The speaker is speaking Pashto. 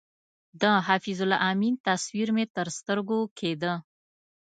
د حفیظ الله امین تصویر مې تر سترګو کېده.